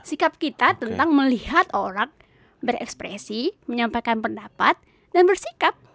sikap kita tentang melihat orang berekspresi menyampaikan pendapat dan bersikap